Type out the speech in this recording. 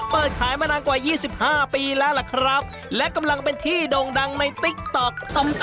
เปิดขายมานานกว่า๒๕ปีแล้วล่ะครับและกำลังเป็นที่ด่งดังในติ๊กต๊อก